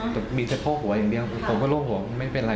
แต่มีเฉพาะหัวอย่างเดียวผมก็โล่งหัวไม่เป็นไร